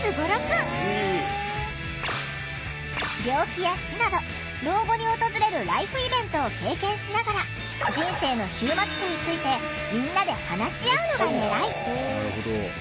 病気や死など老後に訪れるライフイベントを経験しながら人生の終末期についてみんなで話し合うのがねらい。